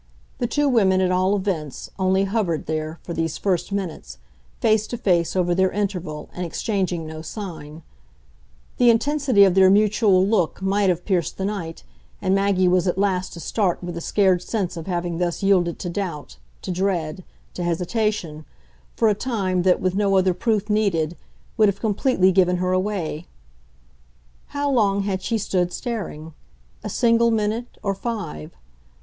The two women, at all events, only hovered there, for these first minutes, face to face over their interval and exchanging no sign; the intensity of their mutual look might have pierced the night, and Maggie was at last to start with the scared sense of having thus yielded to doubt, to dread, to hesitation, for a time that, with no other proof needed, would have completely given her away. How long had she stood staring? a single minute or five?